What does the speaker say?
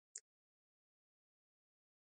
ازادي راډیو د د ماشومانو حقونه اړوند مرکې کړي.